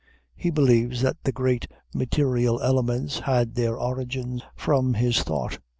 He believes that the great material elements had their origin from his thought.